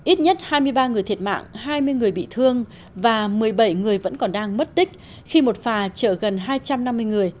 ít nhất hai mươi ba người thiệt mạng hai mươi người bị thương và một mươi bảy người vẫn còn đang mất tích khi một phà chở gần hai trăm năm mươi người